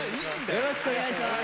よろしくお願いします。